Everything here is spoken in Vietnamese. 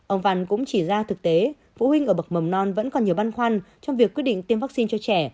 ông văn cũng chỉ ra thực tế phụ huynh ở bậc mầm non vẫn còn nhiều băn khoăn trong việc quyết định tiêm vaccine cho trẻ